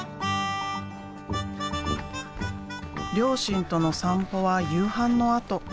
両親との散歩は夕飯のあと。